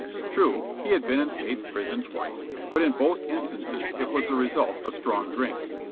True, he had been in State's Prison twice, but in both instances it was the result of strong drink.